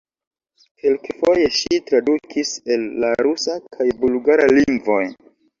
Kelkfoje ŝi tradukis el la rusa kaj bulgara lingvoj.